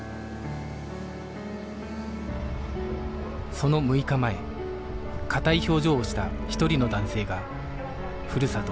その６日前硬い表情をした一人の男性がふるさと